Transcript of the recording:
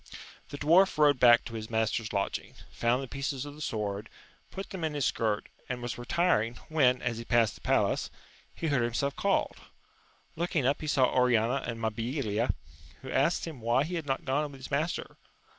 The dwarf rode back to his master's lodging, found the pieces of the sword, put them in his skirt, and was retiring, when, as he passed the palace, he heard himself called. Looking up, he saw Oriana and Ma bilia, who asked him why he had not gone with his master.